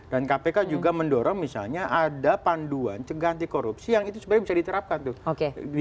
dan kpk juga mendorong misalnya ada panduan cegah anti korupsi yang itu sebenarnya bisa diterapkan tuh